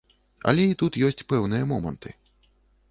Але і тут ёсць пэўныя моманты.